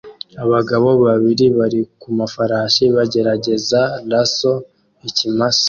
Abagabo babiri bari ku mafarashi bagerageza lasso ikimasa